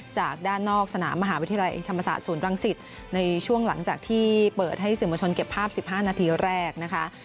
จากด้านนอกสนามมหาวิทยาลัยธรรมศาสตร์ศูนย์รังสิตในช่วงหลังจากที่เปิดให้สื่อมวลชนเก็บภาพ๑๕นาทีแรกนะคะ